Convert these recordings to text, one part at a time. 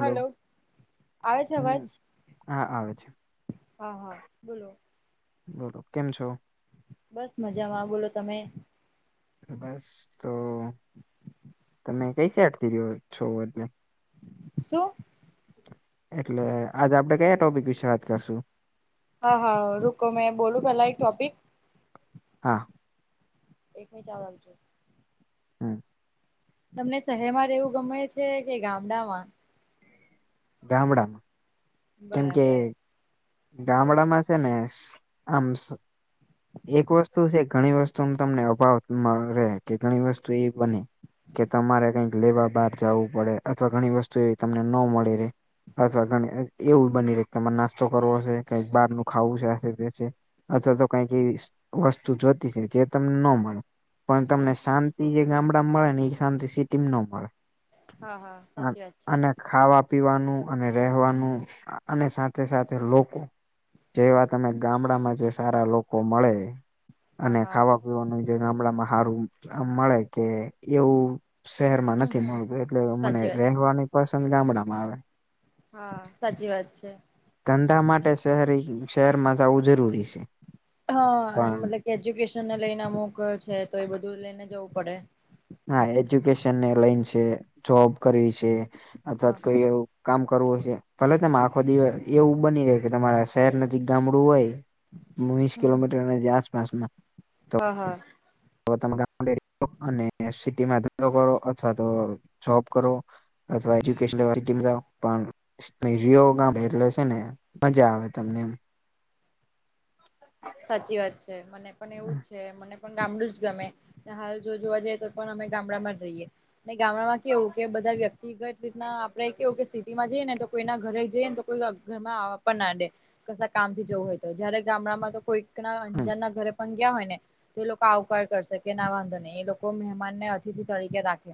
Hello. આવે છે અવાજ? હમ હા આવે છે હા, હા, બોલો. બોલો, કેમ છો? બસ મજામાં. બોલો તમે? બસ તો, તમે કઈ સાઇડ થી રહ્યો છો એટલે? શું? એટલે, આજ આપડે કયા ટોપિક વિશે વાત કરશું? હા હા. રૂકો. મેં બોલું પેલા એક ટોપિક? હા. એક મિનિટ ચાલુ રાખજો. હમ તમને શહેરમાં રહેવું ગમે છે, કે ગામડામાં? ગામડામાં. કેમ કે બરાબર ગામડામાં છે ને, આમ એક વસ્તુ છે ઘણી વસ્તુમ તમને અભાવ રહે. કે ઘણી વસ્તુ એવી બને કે તમારે કંઈક લેવા બહાર જવું પડે, અથવા ઘણી વસ્તુ એવી તમને નો મળી રહે. અથવા ઘણી એવું બની રહે, તમારે નાસ્તો કરવો હશે કઇક બહારનું ખાવું છે. આ છે, તે છે. અથવા તો કંઈક એવી વસ્તુ જોતી છે, જે તમને નો મળે. પણ તમને શાંતિ જે ગામડામાં મળે ને, ઈ શાંતિ સિટીમ નો મળે. હા હા આ- સાચી વાત છે. અને ખાવા પીવાનું, અને રહેવાનું અને સાથે સાથે લોકો જેવા તમે, ગામડામાં જે સારા લોકો મળે હા અને હા ખાવા પીવાનું જે ગામડામાં હારું આ મળે, કે એવું શહેરમાં હમ નથી હમ મળતું. એટલે મને સાચી વાત છે રહેવાની પસંદ ગામડામાં આવે. હા, સાચી વાત છે. ધંધા માટે શહેરી, શહેરમાં જાવું જરૂરી છે. હા, એ પણ મતલબ કે એજ્યુકેશનને લઈને અમુક છે, તો એ બધું લઈને જવું પડે. હા એજ્યુકેશનને લઈને છે, જોબ કરવી છે, અથવા હા ત હા કોઈ એવું કામ કરવું હોય છે. ભલે તમે આખો દિવસ, એવું બની રહે કે તમારા શહેર નજીક ગામડું હોય વીસ હમ હમ કિલોમીટરની જ્યાં આસપાસમાં હા હા. તો તમે ગામડે રહો, અને સિટીમાં ધંધો કરો અથવા તો જોબ કરો. અથવા એજ્યુકેશ લેવા સીટીમ જાવ. પણ રયો ગામ એટલે છે ને મજા આવે તમને એમ. સાચી વાત મને પણ એવું છે મને પણ ગામડું જ ગમે ને હાલ જો જોવા જઈ તો પણ અમે ગામડામાં જ રહીએ. ને ગામડામાં કેવુ કે બધા વ્યક્તિગત રીતના આપડે કેવું કે સિટીમાં જઈએ તો કોઈના ઘરે જઈએ ને તો કોઇ ઘરમાં આવવા પણ ના દે કસા કામ થી જવું હોય તો જયારે ગામડામાં તો કોઈક ના હમ્મ અંજાન ના ઘરે પણ ગયા હોય ને તો એ લોકો આવકાર કરશે કે ના વાંધો નહી એ લોકો મહેમાનને અતિથિ તરીકે રાખે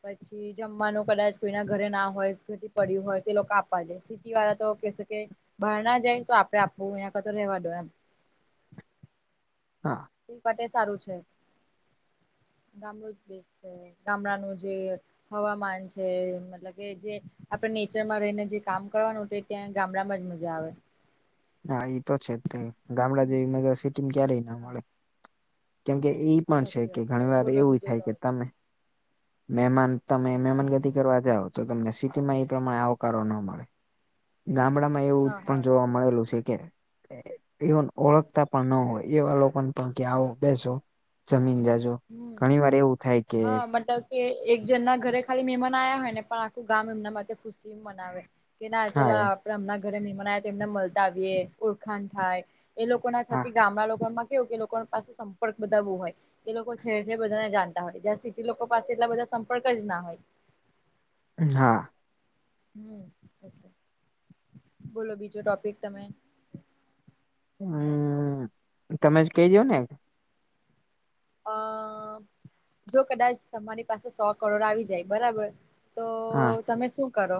પછી પછી જમવાનું કદાચ કોઈના ઘરે ના હોય ઘટી પડ્યું હોય તે લોકો આપવા દે સિટી વાળા તો કે શે કે બહાર ના જાય તો આપડે આપવું એના કરતા રેવાદો એમ હા ઈ માટે સારું છે ગામડું જ બેસ્ટ છે ગામડાનું જે હવામાન છે મતલબ કે જે આપડે નેચરમાં રહીને જે કામ કરવાનું તે ત્યાં ગામડામાં જ મજા આવે. હા ઈ તો છે જ તે ગામડા જેવી મજા સિટી ક્યારેય ના હા મળે કેમકે ઈ પણ છે સાચી કે વાત ઘણી વાર બોલો એવુંય બીજો થાય કે ટોપિક તમે [inaudible] મહેમાન તમે મહેમાન ગતિ કરવા જાવ તો તમને સિટીમાં એ પ્રમાણે આવકારો ન મળે ગામડા માં એવું હા પણ હા જોવા મળેલું છે કે એ એવન ઓળખતા પણ ન હોય એવા લોકોને પણ કે આવો બેસો જમીન જાજો હમ ધણી વાર એવુ થાય કે હા મતલબ કે એક જન ના ઘરે ખાલી મહેમાન આયા હોય ને પણ આખું ગામ એમના માટે ખુશી મનાવે કે ના ચલો હા આપડે એમના ઘરે મહેમાન તો એમને મળતા આવીએે ઓળખાણ થાય એ લોકો એ લોકો ના હા થકી ગામડા લોકોમાં કેવું કે લોકો પાસે સંપર્ક બધા બૌવ હોય. એ લોકો ઠેર ઠેર બધાને જાણતા હોય જ્યાં સીટી લોકો પાસે એટલા બધા સંપર્ક જ ના હોય. હા. હમ એટલે બોલો બીજો ટોપિક તમે અમમ તમે જ કઈ દયો ને. અઅ જો કદાચ તમારી પાસે સો કરોડ આવી જાય બરાબર તો હા તમે શું કરો.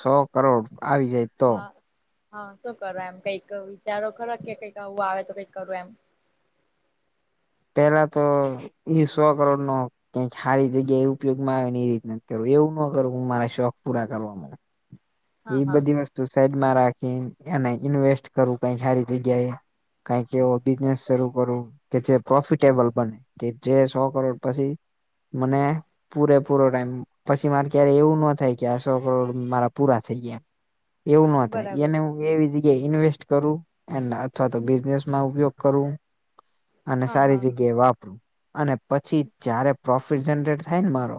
સો કરોડ આવી જાય હ તો હ શું કરો એમ કંઈક વિચારો ખરા કે કંઈક આવું આવે તો કંઈક કરું એમ પેલા તો ઈ સો કરોડ નો કાઈક હારી જગ્યાએ ઉપયોગ માં આવે ને એ રીત ના કરું એવું ન કરવું હું મારા શોખ પૂરા કરવા મા હા ઈ હા બધી વસ્તુ સાઈડમાં રાખીન એને ઈન્વેસ્ટ કરવું કઈ હારી જગ્યા એ કાઈક એવો સાચી બિઝનેસ વાત શરૂ કરુ કે જે પ્રોફિટેબલ બને કે જે સો કરોડ પછી મને પૂરે પૂરો ટાઈમ પછી મારે ક્યારેય એવું નો થાય કે આ સો કરોડ મારા પૂરા થઈ ગયા એવું નો થાય બરાબર એને હુ એવી જગ્યાએ ઇન્વેસ્ટ કરું એને અથવા તો બિઝનેસમાં ઉપયોગ કરુ અને હા સારી હા જગ્યાએ વાપરું અને પછી જયારે પ્રોફિટ જનરેટ ને મારો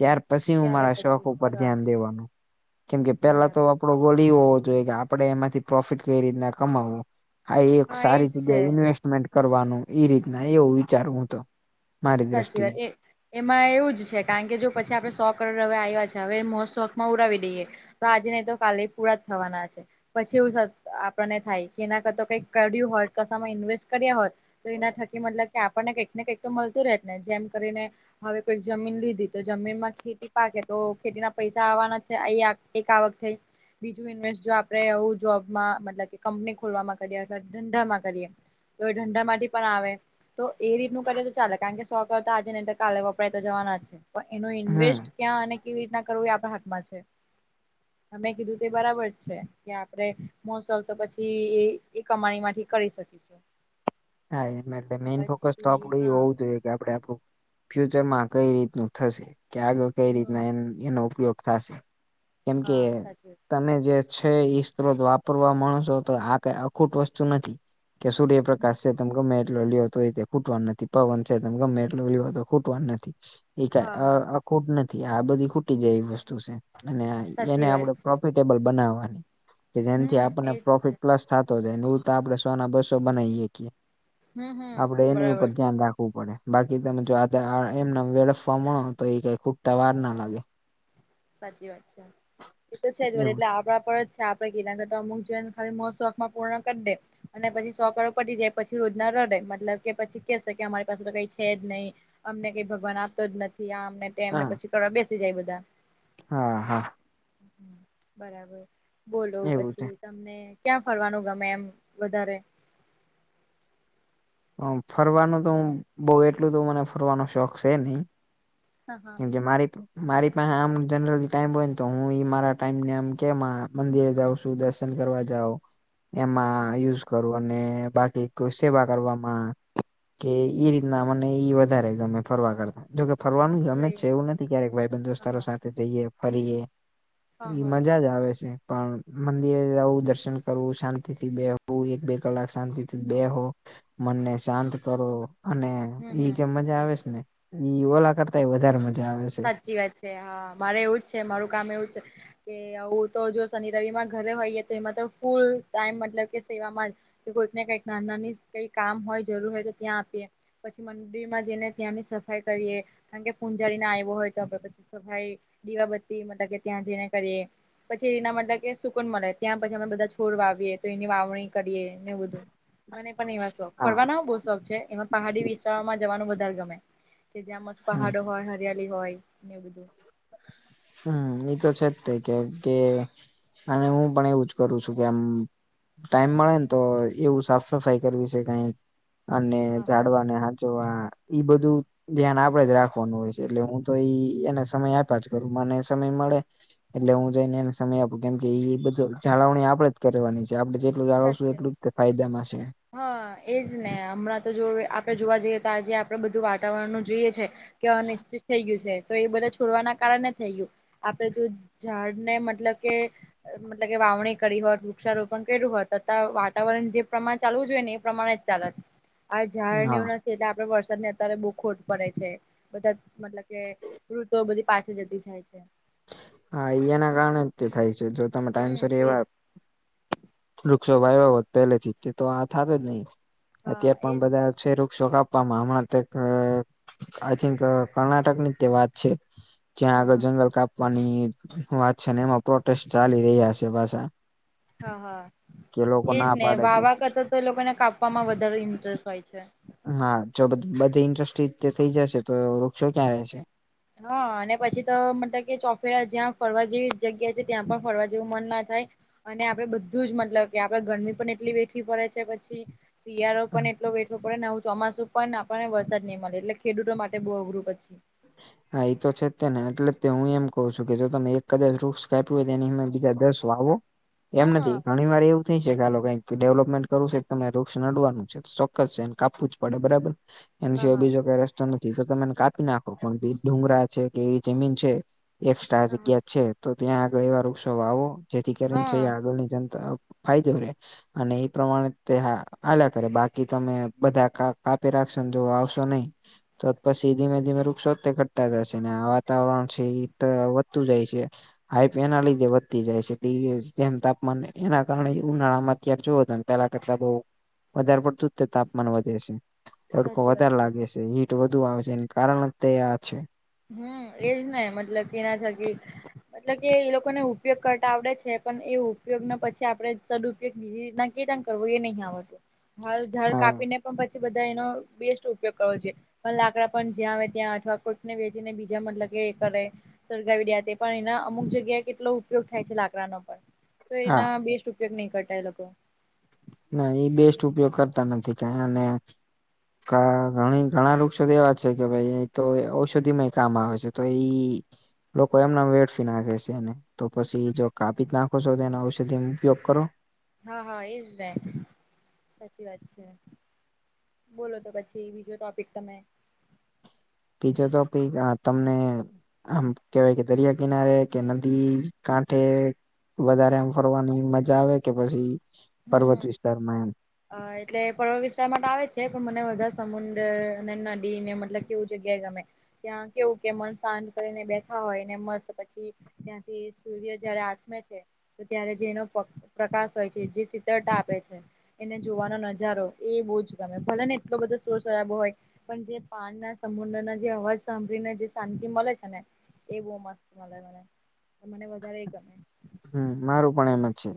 ત્યાર પછી હું ત્યારે મારા પછી શોખ ઉપર કરવાનું ધ્યાન દેવાનું કેમ કે પેલા તો બરાબર આપડો ગોલ ઈ હોવો જોઈએ કે આપડે એમાંથી પ્રોફિટ કઈ રીતના કમાવો. આ એક હા એજ સારી છે જગ્યાએ ઈન્વેસ્ટમેન્ટ કરવાનું ઈ રીતના એવું વિચારું હુ તો. મારી સાચી દ્રષ્ટિએ વાત એ એમાં એવું જ છે કારણ કે જો પછી આપડણે સો કરોડ હવે આવ્યા છે હવે મો શોખમાં ઉરાવી દઈએ તો આજે નહી તો કાલે પૂરા જ થવાના છે. પછી એવું થ આપણને થાય કે એના કરતો કઈક કર્યું હોત કસામાં ઇન્વેસ્ટ કર્યા હોત તો એના થકી મતલબ કે આપણને કંઈક ને કંઈક તો મળતું રહેત ને જેમ કરીને હવે કોઈક જમીન લીધી તો જમીનમાં ખેતી પાકે તો ખેતીના પૈસા આવવાના છે આ એક આવક થઈ. બીજું ઇન્વેસ્ટ જો આપડે એવુ જોબમાં મતલબ કે કંપની ખોલવામાં કરીએ અથવા ધંધામાં કરીએ. તો એ ઠંડા માંથી પણ આવે તો એ રીતનું કરે ચાલે કારણ કે સો તો આજે ને તો કાલે તો જવાના જ છે એનું હમ ઇન્વેસ્ટ ક્યાં ને કેવી રીતના એ આપણા હાથમાં છે. મેં કીધું તે બરાબર છે કે આપણેે મોસલ તો પછી એ એ કમાણી માંથી કરી શકીશું. [inaudible] હા એ એટલે મેઈન ફોકસ તો પછી આપડું એ હા હોવ જોઈએ કે આપડે આપડું ફ્યુચરમાં કઈ રીતનું થશે કે આગળ કઈ હમ રીતના એનો ઉપયોગ થાશે. કેમ કે હા સાચી તમે જે છે ઈ સ્ત્રોત વાપરવા માણશો તો આ કઈ અખૂટ વસ્તુ નથી કે સુ વાત આકાશ છે તમે ગમે એટલો લ તો એ ખૂટવાનું નથી પવન છે તમે ગમે એટલો લ્યો તો ખૂટવાનું નથી. એ ક હા હા અખૂટ નથી આ બધી ખૂટી જાય એવી વસ્તુ છે અને એને સાચી આપડે વાત છે પ્રોફિટ ટેબલ બનાવાની કે જેથી હમ આપણને એજ છે પ્રોફિટ પ્લસ થાતો જાય નેવું તો આપડે સો ના બસો બનાવીએ શકિએ. હમ હમ આપડે એની બરાબર ઉપર ધ્યાન છે રાખવું પડે. બાકી તમે જો આ એમને વેળફવા મળો તો એ કઈ ખૂટતા વાર ના લાગે. સાચી વાત છે, એ તો છે જ એવું એટલે આપણા પર જ આપે કી અમુક જેમ થાય એમ શોકમાં પૂર્ણ કરી દે અને પછી સો કરો પતી જાય પછી રોજ ના રડે મતલબ કે પછી કે છે કે અમારી પાસે તો કઈ છે જ નહીં. અમને કઈ ભગવાન આપતો જ નથી, આમને ને તેમ હા પછી કરવા બેસી જાય બધા. હા, હા. બરાબર, બોલો એવું છે. પછી તમને ક્યાં ફરવાનું ગમે એમ વધારે? અ ફરવાનું તો બઉ એટલું તો મને ફરવાનો શોખ છે નહી. હા, હા. કેમ કે મારી તો મારી પાસે આમ જનરલ ટાઈમ હોય ને તો હું મારા ટાઈમ ને આમ કેમ મંદિરે જાઉં છું, દસ કરવા જાવ એમાં હા યુઝ કરો અને બાકી કો સેવા કરવામ માં કે ઇ રીતના મને ઈ વધારે ગમે ફરવા કરતા. જોકે ફરવાનું ગમે છે, એવું નથી ક્યારેક ભાઈ બંધ દોસ્તારો હા સાથે જઈએ, ફરીએ. હા એ હા મજા જ આવે છે. પણ મંદિરે જવું, દર્શન કરવું, શાંતિથી બેહવું, એક બે કલાક શાંતિથી બેહો. મનને શાંત કરો અને હમ હમ જેમ મજા આવે છે સાચી ને ઓલા કરતા એ વધારે મજા આવે છે. સાચી વાત છે, હા મારે એવું જ છે, મારું કામ એવું છે. કે આવું તો જો શનિ રવિમાં ઘરે હોઈએ તો એમાં તો ફૂલ ટાઈમ મતલબ કે સેવામાં કોઈક ને કંઈક ના નાની કઈ કામ હોય જરૂર હોય તો ત્યાં આપીએ. પછી મંદિરમાં જઈને ત્યાંની સફાઈ કરીએ કારણ કે પૂંજારી ના આવ હોય તો આપ પછી સફાઈ, દીવાબત્તી મતલબ કે ત્યાં જઈને કરીએ. પછી એના મતલબ કે સુકુન મળે, ત્યાં પછી અમે બધા છોડ વાવીએ તો એની વાવણી કરીએ ને એ બધું. મને પણ એવા શોખ. હા ફરવાના હો બો શોખ છે, એમાં પહાડી વિસ્તારોમાં જવાનું વધારે ગમે. કે જ્યાં મસ્ત હમ પહાડો હોય, હરિયાલી હોય ને એવુ બધુ. હા ની તો છે જ તે કેમ કે અને હું પણ એવું જ કરું છું કે આમ ટાઈમ મળે ને તો એવું સાફ સફાઈ કરવી છે કાંઈ. અને હા હા ઝાડવાને હાચવવા, ઈ બધું ધ્યાન આપડે જ રાખવાનું હોય છે. એટલે હું તો ઈ એને સમય આપ્યા જ [unintelligible] સમય મળે. એટલે હું જઈને એને સમય આપું, કેમ કે ઈ બધું જાળવણી આપડે જ કરવાની છે. આપડે જે જેટલું જાણવશુ એટલું જ ફાયદામાં છે. હાં, એજ ને હમણાં તો જો આપણે જોવા જઈએ તો આજે આપણેે બધુ વાતાવરણનુ જોઈએ છે. કે અનિચ્છિત થઈ ગયું છે, તો એ બધા છોડવાના કારણે થઈ ગયું. આપડે જો ઝાડને મતલબ કે મતલબ કે વાવણી કરી હોત, વૃક્ષારોપણ કર્યું હોત, તો વાતાવરણ જે પ્રમાણ ચાલવું જોઈએ ને એ પ્રમાણે જ ચાાલત, આ ઝાડને હા એવુ એટલે આપડે વરસાદની અત્યારે બહુ ખોટ પડે છે. બધા મતલબ કે ઋતુઓ બધી પાસી જતી જાય છે. હા, ઈ એના કારણે જ તે થાય છે જો તમે હમ ટાઈમસર એજ એવા વૃક્ષો વાયવા સાચી હોત, વાત પહેલેથી. તે તો આ થાતે જ નહી, હા અત્યાર પણ એજ ને બધા છે વૃક્ષો કાપ મારા મામા તે ક આઈ થિંક કર્ણાટક ની જ તે વાત છે. હ જ્યાં આગળ હા જંગલ કાપવાની વાત છે ને એમાં પ્રોટેસ્ટ ચાલી રહ્યા છે પાસા. હા-હા એજ ને પાડે છે વાવવા કરતા તો એ લોકોને કાપવામાં વધારે ઇન્ટરેસ્ટ હોય છે. હા, જો બધી ઇન્ડસ્ટ્રી થઈ જશે તો વૃક્ષો ક્યાં રહેશે. હા, ને પછી તો મતલબ કે ચોફેરા જ્યાં ફરવા જેવી જગ્યા છે, ત્યાં પણ ફરવા જેવું મન ના થાય. અને આપડે બધું જ મતલબ કે આપડે ગરમી પણ એટલી વેઠવી પડે છે પછી. શિયાળો પણ એટલો વે ઠવો પડેને આવ ચોમાસું પણ આપણને વરસાદ નહીં મળે, એટલે ખેડૂતો માટે બહુ અઘરું પછી. હા, એ તો છે જ તે ને એટલે તો હું એમ કઉ છું કે જો તમે એક કદાચ વૃક્ષ કાપ્યું હોય તો એની હામે બીજા દસ વાવો. એમ હા નથી ઘણી વાર એવું થઈ છે આલો કંઈ કે ડેવલપમેન્ટ કરવું છે કે તમે વૃક્ષ નડવાનું છે. ચોક્કસ છે એને કાપવું જ પડે બરાબર. એની હા સિવાય હા બીજો કઈ રસ્તો નથી. તો તમે એને કાપી નાખો પણ ડુંગરા છે કે એ જમીન છે. એક્સ્ટ્રા હા જગ્યા છે તો ત્યાં આગળ એવા વૃક્ષો વાવો. જેથી કરીને છે હા આગળની જનતા ફાયદો રે. અને એ પ્રમાણે તે હાલા કરે, બાકી તમે બધા કાપે રાખશો ને જો વાવશો નહી. તો પસી ધીમે -ધીમે રુ વૃક્ષો તે ઘટતા જશે ને આ વાતાવરણ છે એ વધતું જાય છે. હાઈપ એના લીધે વધતી જાય છે. કે ઈ જેમ તાપમાન એના કારણે ઉનાળા માં અત્યાર જુઓ તમે. પેલા કરતા બઉ વધારે પડતું જ તે તાપમાન વધે છે. તડકો સાચી વાત વધારે લાગે છે, હીટ વધુ આવે છે, એનુ કારણ જ તે આ છે. હમ્મ, એજને મતલબ એના થકી મતલબ કે એ લોકોને ઉપયોગ કરતા આવડે છે, પણ એ ઉપયોગ ના પછી આપણેે સદ ઉપયોગ કેવી રીતના કેદાન કરવો, એ નહી આવડતું. હાલ ઝાડ હા કાપીને પણ પછી બધા એનો બેસ્ટ ઉપયોગ કરવો જોઈએ. પણ લાકડા પણ જ્યાં આવે ત્યાં અથવા કોઈ ને વેચી ને બીજા મતલબ કે કરે. સળગાવીડ્યા તે પણ એના અમુક જગ્યાએ કેટલો ઉપયોગ થાય છે લાકડાનો પણ. તો હા એના બેસ્ટ ઉપયોગ નહી કરતા એ લોકો. ના એ બેસ્ટ ઉપયોગ કરતા નથી કઈ અને ક ઘણી ઘણા વૃક્ષો તો એવા છે કે ભાઈ તો ઔષધિ માય કામ આવે છે તો ઈ લોકો એમના વેડફી નાખે છે એને. તો પછી જો કાપી જ નાખો છો તેનો ઔષધિ ઉપયોગ કરો. હા હા એજ ને, સાચી વાત છે. બોલો તો પછી બીજો ટોપિક તમે. બીજો ટોપિક આ તમને આમ કેહેવાય કે દરિયા કિનારે કે નદી કાંઠે વધારે એમ ફરવાની મજા આવે કે પછી હમ પર્વત હમ. વિસ્તારમાં એમ. અ એટલે પર્વત વિસ્તારમાં તો આવે છે પણ મને બધા સમુદ્ર અને નદી ને મતલબ તેવું જગ્યાએ ગમે, ત્યાં કેવું કે મન શાંત કરીને બેઠા હોય ને મસ્ત પછી ત્યાંથી સૂર્ય જયારે આથમે છે તો ત્યારે જેનો પ્રકાશ હોય છે જે શીતળતા આપે છે એને જોવાનો નજારો એ બહુ જ ગમે ભલે ને એટલો બધો શોર શરાબો હોય. પણ જે પાન ના સમુદ્ર ના જે અવાજ સાંભળીને જે શાંતિ મલે છે ને. એ બહ મસ્ત મલે મને, મને વધારે એ ગમે. હમ્મ મારું પણ એમ જ છે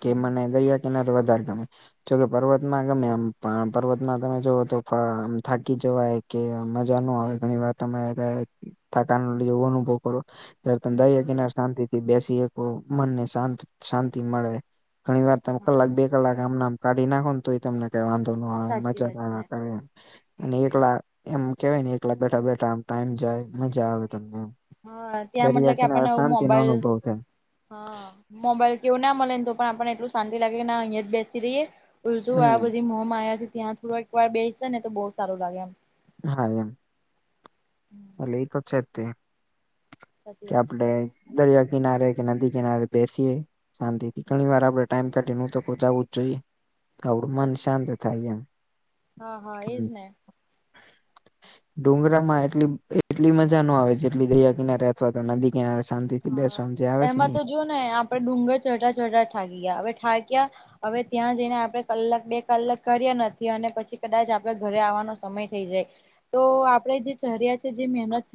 કે હમ મને દરિયા કિનારે વધારે ગમે. જોકે પર્વતમાં ગમે આમ પર્વતમાં તમે જોઓ તો આમ થાકી જવાય. કે મજા ન આવે ઘણી વાર તમે થકાન [unintelligible] અનુભવ કરો. [unintelligible] દરિયા કિનારે શાંતિથી બેસી હકો મનને શાંત શાંતિ મળે. ઘણી વાર તમે હા કલાક બે કલાક આમના આમ કાઢી નાખો ને તોય તમને કઈ વાંધો ન આવે સાચી મજા વાત ના છે આવે. અને એક લાખ એમ કેવાય ને એક લાખ બેઠા બેઠા ટાઈમ જાય મજા આવે તમને. હા ત્યાં દરિયા મતલબ કે કિનારે આપણને શાંતિનો મોબાઈલ અનુભવ થાય હા મોબાઈલ કેવું ના મળે ને તો પણ આપણને એટલું શાંતિ લાગે કે ના અહિયાં જ બેસી રહીએ. ઉલતું આ હમ બધી મોહ છે ત્યાં થોડુંક વાર બેસે ને તો બહુ સારું લાગે એમ. હા એમ. હા એટલે એ તો છે, સાચી કે વાત આપડે છે દરિયા કિનારે કે નદી કિનારે બેસીએ શાંતિથી ઘણી વાર આપડે ટાઈમ કાઢીને તો જવું જ જોઈએ. આપડું મન સાચી શાંત થાય એમ. હા હા એજ ને ડુંગરામાં એટલી એટલી મજા ન આવે જેટલી દરિયા કિનારે અથવા તો નદી શાંતિથી હા બેસવા જે આવે છે ને એમાં ઈ. તો જો ને આપડે ડુંગર ચઢતા ચઢતા ઠાકી ગયા હવે ઠાક્યા હવે ત્યાં જઈને આપણે કલાક બે કલાક કર્યા નથી અને પછી કદાચ આપડે ઘરે આવવાનો સમય થઇ જાય તો આપણેે જે ચર્યા છે જે મહેનત થઈ